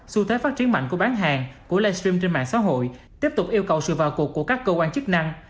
xu thế phát triển mạnh của bán hàng của livestream trên mạng xã hội tiếp tục yêu cầu sự vào cuộc của các cơ quan chức năng